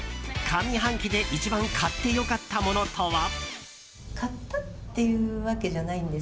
上半期で一番買ってよかったものとは？